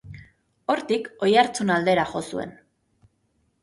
Hortik Oiartzun aldera jo zuen.